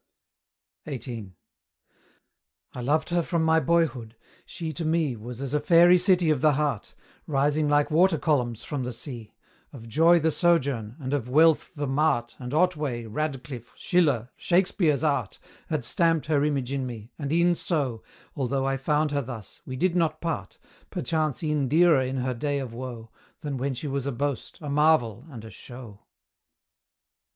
XVIII. I loved her from my boyhood: she to me Was as a fairy city of the heart, Rising like water columns from the sea, Of joy the sojourn, and of wealth the mart And Otway, Radcliffe, Schiller, Shakspeare's art, Had stamped her image in me, and e'en so, Although I found her thus, we did not part, Perchance e'en dearer in her day of woe, Than when she was a boast, a marvel, and a show.